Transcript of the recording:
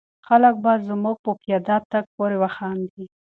خلک به زموږ په پیاده تګ پورې وخاندي.